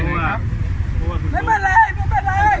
โอกาสคุณหมดแล้ว